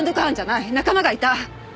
仲間がいた！